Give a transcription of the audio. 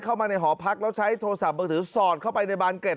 เข้ามาในหอพักแล้วใช้โทรศัพท์มือถือสอดเข้าไปในบานเกร็ด